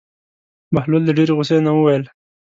بهلول د ډېرې غوسې نه وویل.